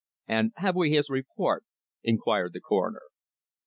"And have we his report?" inquired the Coroner.